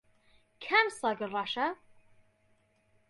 کام سەگ ڕەشە؟